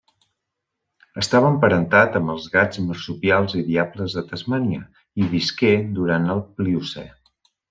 Estava emparentat amb els gats marsupials i diables de Tasmània i visqué durant el Pliocè.